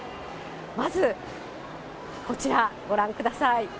まずこちら、ご覧ください。